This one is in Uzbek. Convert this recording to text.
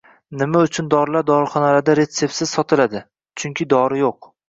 Nima uchun dorilar dorixonalarda retseptisiz sotiladi? Chunki dori yo'q